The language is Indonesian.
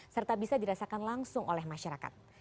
serta bisa dirasakan langsung oleh masyarakat